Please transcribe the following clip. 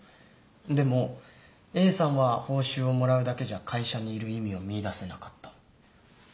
でもＡさんは報酬をもらうだけじゃ会社にいる意味を見いだせなかった。